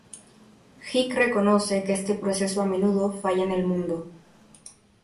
Hick reconoce que este proceso a menudo falla en el mundo.